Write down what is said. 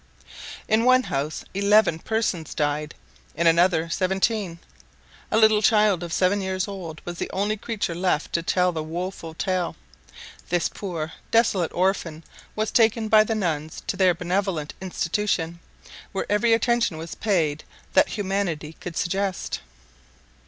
In one house eleven persons died, in another seventeen; a little child of seven years old was the only creature left to tell the woful tale. This poor desolate orphan was taken by the nuns to their benevolent institution, where every attention was paid that humanity could suggest.